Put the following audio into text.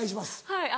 はい。